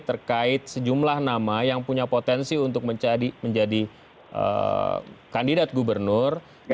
terkait sejumlah nama yang punya potensi untuk menjadi kandidat gubernur